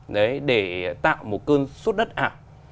đấy để tạo một cơn suốt đất ảo